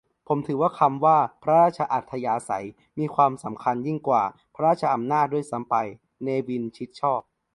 ผมถือว่า คำว่า พระราชอัธยาศัย มีความสำคัญยิ่งกว่า พระราชอำนาจ ด้วยซ้ำไป - เนวิน ชิดชอบ